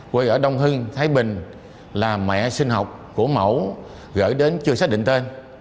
quê ở đông hưng thái bình là mẹ sinh học của mẫu gửi đến chưa xác định tên